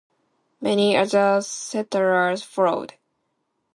Many other settlers followed.